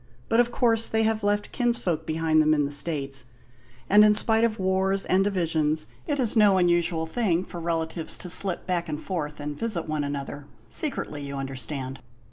But of course they have left kinsfolk behind them in the States; and, in spite of wars and divisions, it is no unusual thing for relatives to slip back and forth and visit one another secretly, you understand.